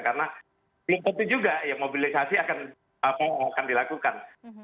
karena belum tentu juga mobilisasi akan dilakukan